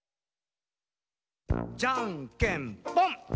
じゃんけんぽん。